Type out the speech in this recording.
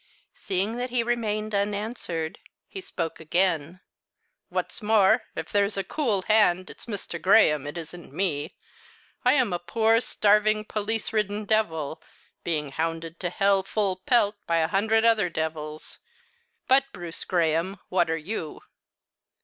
Seeing that he remained unanswered, he spoke again. "What's more, if there is a cool hand it's Mr. Graham, it isn't me. I am a poor, starving, police ridden devil, being hounded to hell, full pelt, by a hundred other devils but, Bruce Graham, what are you?"